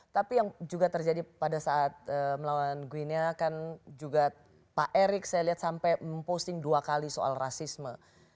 tapi yang juga terjadi pada saat melawan gwinia kan juga pak erick saya lihat sampai memposting dua kali soal rasisme